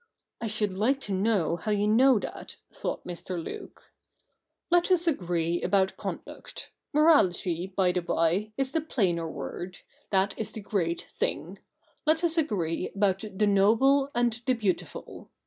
('I should like to know how you know that,' thought Mr. Luke.) ' Let us agree about con duct — morality, by the by, is the plainer word — that is the great thing. Let us agree about the noble and the beautiful.